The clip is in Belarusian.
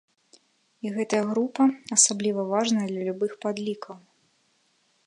І гэтая група асабліва важная для любых падлікаў.